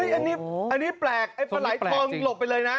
อันนี้แปลกไอ้ปลาไหลทองหลบไปเลยนะ